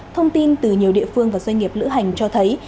thông tin từ nhiều địa phương và doanh nghiệp lữ hành cho thấy